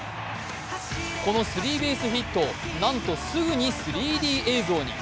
このスリーベースヒットをすぐに３Ｄ映像に。